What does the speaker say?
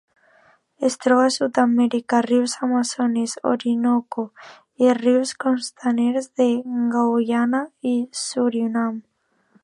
Es troba a Sud-amèrica: rius Amazones, Orinoco i rius costaners de Guaiana i Surinam.